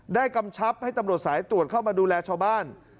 กำชับให้ตำรวจสายตรวจเข้ามาดูแลชาวบ้าน